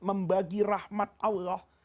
membagi rahmat allah